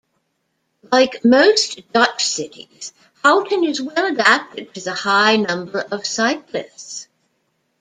Like most Dutch cities, Houten is well adapted to the high number of cyclists.